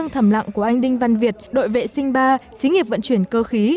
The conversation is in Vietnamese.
tầm lạng của anh đinh văn việt đội vệ sinh ba xí nghiệp vận chuyển cơ khí